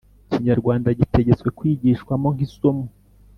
Ikinyarwanda gitegetswe kwigishwamo nk‘isomo